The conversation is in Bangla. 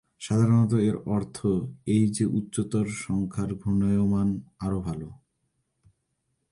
সাধারণত, এর অর্থ এই যে উচ্চতর সংখ্যার ঘূর্ণায়মান আরও ভালো।